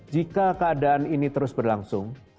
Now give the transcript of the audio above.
jika keadaan ini terus berlangsung